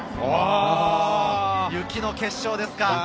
雪の決勝ですか。